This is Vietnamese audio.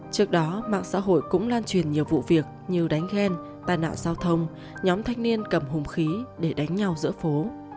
trước đó mạng xã hội cũng lan truyền nhiều vụ việc như đánh ghen tai nạn giao thông nhóm thanh niên cầm hùng khí để đánh nhau giữa phố